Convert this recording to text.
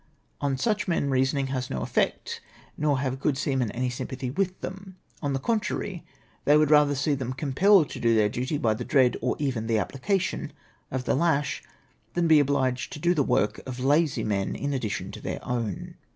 On such men reasoning has no effect, nor have good seamen any sympathy with them. On the contrary, they would rather see them compelled to do their duty by the dread, or even the application of the lash, than be obliged to do the work of lazy men in addition to their own.